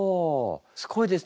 すごいですね。